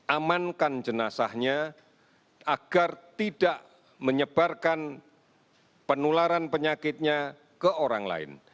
amankan jenazahnya agar tidak menyebarkan penularan penyakitnya ke orang lain